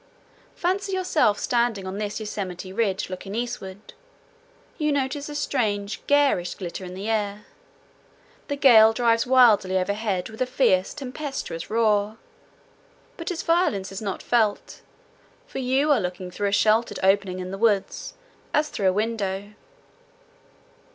Fancy yourself standing on this Yosemite ridge looking eastward. You notice a strange garish glitter in the air. The gale drives wildly overhead with a fierce, tempestuous roar, but its violence is not felt, for you are looking through a sheltered opening in the woods as through a window.